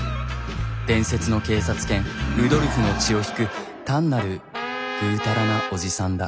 伝説の警察犬ルドルフの血を引く単なるぐうたらなおじさんだ。